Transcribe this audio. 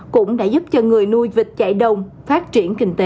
cũng đã giúp cho người nuôi vịt chạy đồng phát triển kinh tế